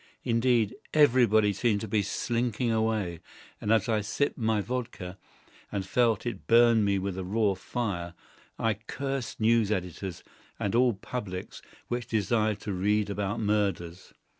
Indeed, everybody seemed to be slinking away, and as I sipped my vodka, and felt it burn me with raw fire, I cursed news editors and all publics which desired to read about murders.